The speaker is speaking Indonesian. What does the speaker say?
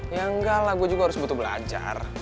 ya enggak lah gue juga harus butuh belajar